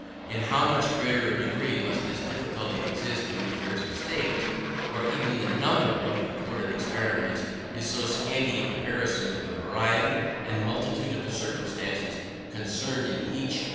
In how much greater a degree must this difficulty exist in the affairs of states, where even the number of recorded experiments is so scanty in comparison with the variety and multitude of the circumstances concerned in each.